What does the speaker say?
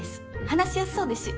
話しやすそうですし。